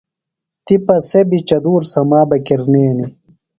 تِپہ سےۡ بیۡ چدُور سما بہ کِرنینیۡ۔